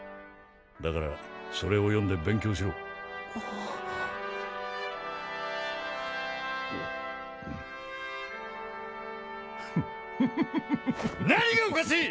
だからそれを読んで勉強しろフフフフ何がおかしい！